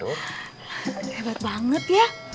hebat banget ya